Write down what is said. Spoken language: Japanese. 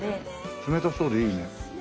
冷たそうでいいね。